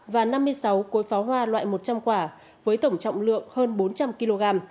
và năm mươi sáu cối pháo hoa loại một trăm linh quả với tổng trọng lượng hơn bốn trăm linh kg